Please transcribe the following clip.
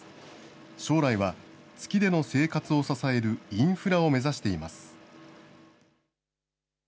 将来は、月での生活を支えるインフラを目指しています。